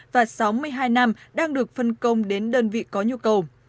và sáu mươi hai năm đang được phân công đến đơn vị có nhu cầu